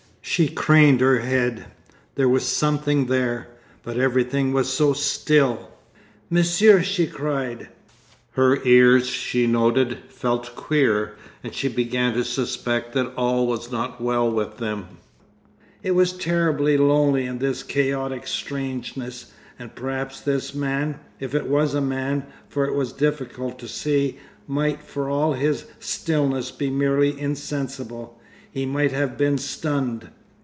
She craned her head. There was something there. But everything was so still! 'Monsieur!' she cried. Her ears, she noted, felt queer, and she began to suspect that all was not well with them. It was terribly lonely in this chaotic strangeness, and perhaps this man—if it was a man, for it was difficult to see—might for all his stillness be merely insensible. He might have been stunned....